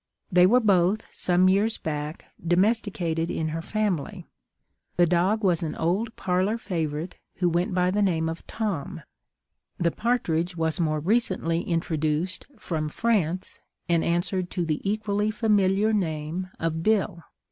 They were both, some years back, domesticated in her family. The dog was an old parlour favourite, who went by the name of Tom; the partridge was more recently introduced from France, and answered to the equally familiar name of Bill.